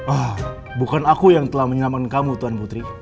ah bukan aku yang telah menyelamatkan kamu tuhan putri